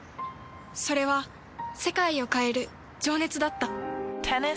それは世界を変える情熱だった。